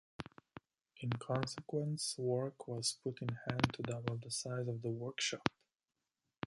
In consequence work was put in hand to double the size of the workshop.